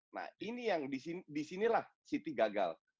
nah ini yang disinilah city gagal